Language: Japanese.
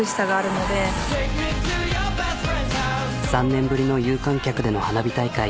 ３年ぶりの有観客での花火大会。